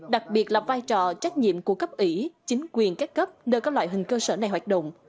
đặc biệt là vai trò trách nhiệm của cấp ủy chính quyền các cấp nơi các loại hình cơ sở này hoạt động